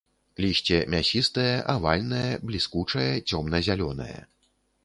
Лісце мясістае, авальнае, бліскучае, цёмна-зялёнае.